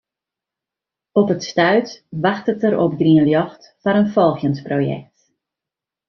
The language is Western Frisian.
Op it stuit wachtet er op grien ljocht foar in folgjend projekt.